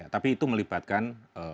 tapi itu melibatkan